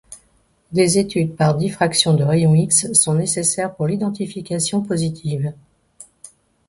Des études par diffraction de rayons X sont nécessaires pour l'identification positive.